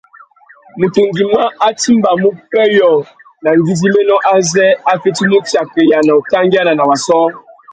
Mutu ngüimá a timbamú pêyô na ngüidjiménô azê a fitimú utsakeya na utangüiana na wa sôō.